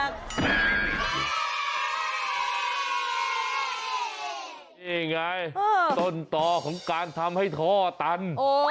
นี่ไงต้นต่อของการทำให้ท่อตัน